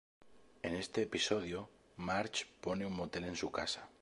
En este episodio, Marge pone un motel en su casa.